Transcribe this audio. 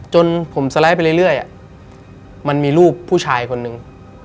จนผมสไลด์ไปเรื่อยมันมีรูปผู้ชายคนนึง